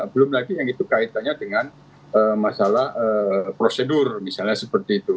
belum lagi yang itu kaitannya dengan masalah prosedur misalnya seperti itu